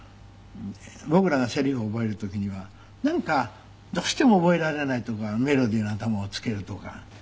僕らがセリフを覚える時にはなんかどうしても覚えられないとこはメロディーの頭をつけるとか。